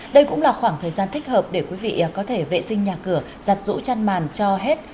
đây cũng là khoảng thời gian thích hợp để quý vị có thể vệ sinh nhà cửa giặt rũ chăn màn cho hết